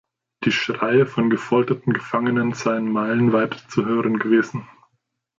Die Schreie von gefolterten Gefangenen seien meilenweit zu hören gewesen.